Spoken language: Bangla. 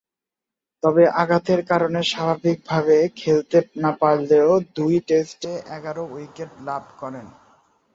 তবে, আঘাতের কারণে স্বাভাবিকভাবে খেলতে না পারলেও দুই টেস্টে এগারো উইকেট লাভ করেন।